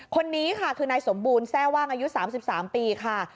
คนนี้ค่ะคือนายสมบูรณ์แทร่ว่างอายุ๓๓ปีค่ะ